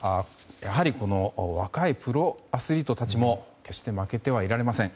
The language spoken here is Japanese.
やはりこの若いプロアスリートたちも決して負けてはいられません。